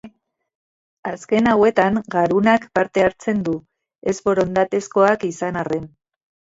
Azken hauetan garunak parte hartzen du, ez-borondatezkoak izan arren.